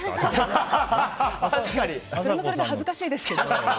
それもそれで恥ずかしいですけど。